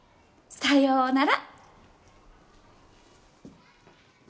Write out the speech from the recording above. さようなら。